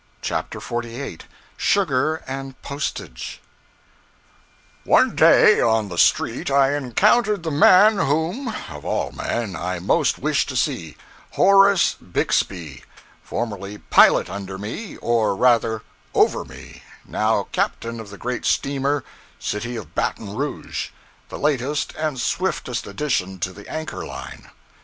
CHAPTER 48 Sugar and Postage ONE day, on the street, I encountered the man whom, of all men, I most wished to see Horace Bixby; formerly pilot under me or rather, over me now captain of the great steamer 'City of Baton Rouge,' the latest and swiftest addition to the Anchor Line.